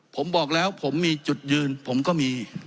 ผมบอกแล้วผมมีจุดยืนผมก็มี